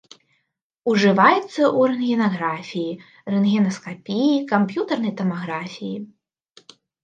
Ужываецца ў рэнтгенаграфіі, рэнтгенаскапіі, камп'ютарнай тамаграфіі.